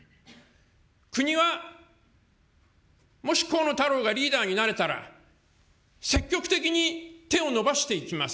国は、もし河野太郎がリーダーになれたら、積極的に手を伸ばしていきます。